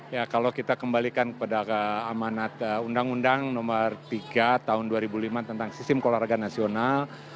ya kalau kita kembalikan kepada amanat undang undang nomor tiga tahun dua ribu lima tentang sistem olahraga nasional